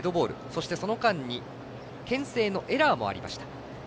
そして、その間にけん制のエラーもありました。